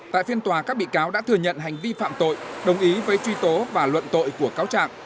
tại phiên tòa các bị cáo đã thừa nhận hành vi phạm tội đồng ý với truy tố và luận tội của cáo trạng